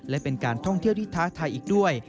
และเป็นการท่องเที่ยวที่ท้าทายอีกด้วย